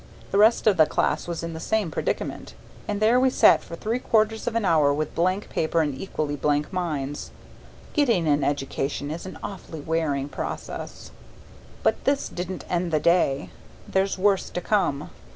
The rest of the class was in the same predicament; and there we sat for three quarters of an hour with blank paper and equally blank minds. Getting an education is an awfully wearing process! But this didn't end the day. There's worse to come.